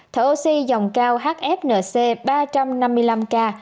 thở oxy dòng cao hfnc ba trăm năm mươi năm k